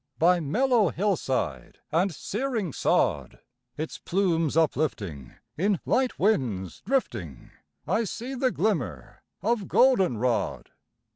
By mellow hillside and searing sod, Its plumes uplifting, in light winds drifting, I see the glimmer of golden rod.